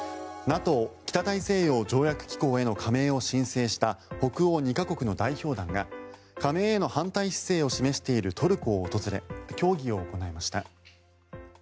ＮＡＴＯ・北大西洋条約機構への加盟を申請した北欧２か国の代表団が加盟への反対姿勢を示しているトルコを訪れ協議を行いました。